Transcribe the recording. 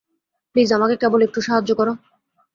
Please, আমাকে কেবল একটু সাহায্য কর?